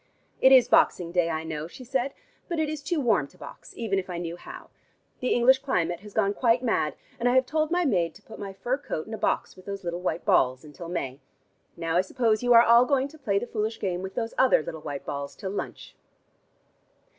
"It is boxing day, I know," she said, "but it is too warm to box, even if I knew how. The English climate has gone quite mad, and I have told my maid to put my fur coat in a box with those little white balls until May. Now I suppose you are all going to play the foolish game with those other little white balls till lunch."